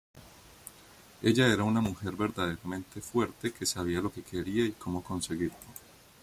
Ella era una mujer verdaderamente fuerte que sabía lo que quería y cómo conseguirlo".